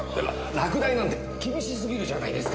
落第なんて厳しすぎるじゃないですか！